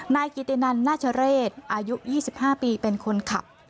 นายกิตินันนาชเรศอายุ๒๕ปีเป็นคนขับ